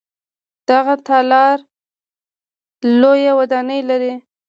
دغه تالار لویه ودانۍ لري.